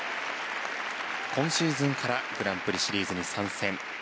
今シーズンからグランプリシリーズに参戦。